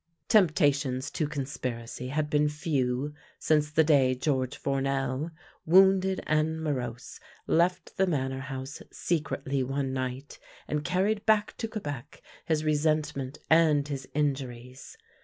Temptations to conspiracy had been few since the day George Four nel, wounded and morose, left the Manor House secretly one night, and carried back to Quebec his re sentment and his injuries.